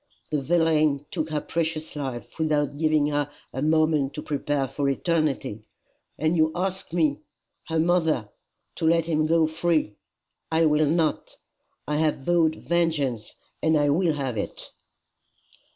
The villain took her precious life without giving her a moment to prepare for eternity, and you ask me her mother to let him go free! I will not. I have vowed vengeance, and I will have it."